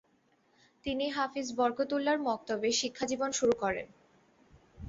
তিনি হাফিজ বরকতউল্লাহর মক্তবে শিক্ষাজীবন শুরু করেন।